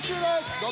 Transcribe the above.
どうぞ！